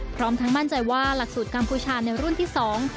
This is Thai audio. พร้อมทั้งมั่นใจว่าหลักสูตรกัมพูชาในรุ่นที่สอง